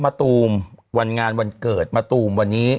ตูมวันงานวันเกิดมะตูมวันนี้